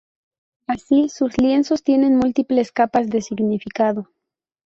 Así, sus lienzos tienen múltiples capas de significado.